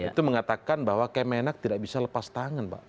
itu mengatakan bahwa kemenak tidak bisa lepas tangan pak